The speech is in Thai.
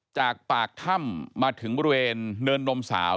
จากปากถ้ำมาถึงบริเวณเนินนมสาว